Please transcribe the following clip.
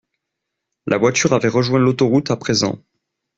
La voiture avait rejoint l’autoroute à présent.